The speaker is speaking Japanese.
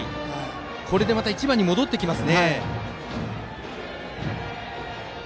これでまた打順が１番に戻ってきます。